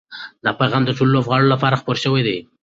دا پیغام د ټولو لوبغاړو لپاره خپور شوی دی.